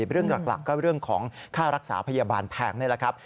เรื่องหลักก็เรื่องของค่ารักษาพยาบาลแพงนี่แหละครับ